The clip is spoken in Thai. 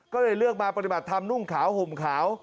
ก็เลยเลือกมาปฏิบัติธรรมนุ่งขาวห่มขาว